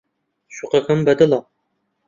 شوقەکەم بەدڵە.